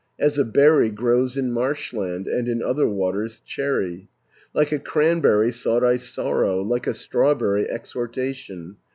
As a berry grows in marshland, And in other waters, cherry. Like a cranberry sought I sorrow, Like a strawberry exhortation.